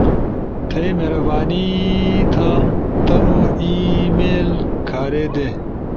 تھئی مہربانی ا تمو ای میل کھارے دے۔